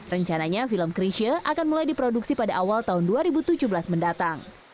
rencananya film krisha akan mulai diproduksi pada awal tahun dua ribu tujuh belas mendatang